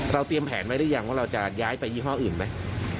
เตรียมแผนไว้หรือยังว่าเราจะย้ายไปยี่ห้ออื่นไหม